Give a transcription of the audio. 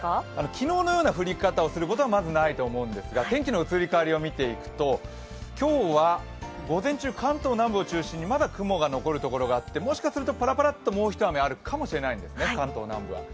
昨日のような降り方をすることはまずないと思うんですが天気の移り変わりを見ていくと今日は午前中、関東南部中心にまだ雲の残る所があって、もしかするとパラパラっと降りそうなんですね、関東南部は。